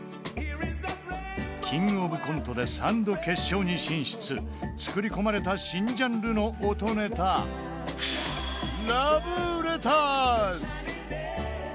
「キングオブコント」で３度決勝に進出作り込まれた新ジャンルの音ネタラブレターズ。